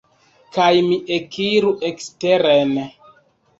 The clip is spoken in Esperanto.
Kaj mi ekiru eksteren.